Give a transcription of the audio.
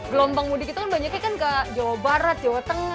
gelombang mudik itu kan banyaknya kan ke jawa barat jawa tengah